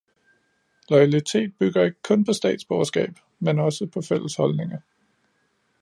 Loyalitet bygger ikke kun på statsborgerskab, men også på fælles holdninger.